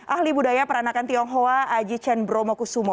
ahli budaya peranakan tionghoa ajit chen bromo kusumo